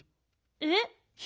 えっ？